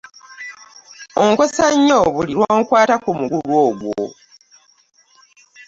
Onkosa nyo buli lwonkwata ku mugulu ogwo.